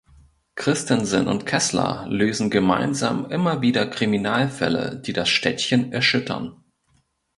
Christensen und Kessler lösen gemeinsam immer wieder Kriminalfälle die das Städtchen erschüttern.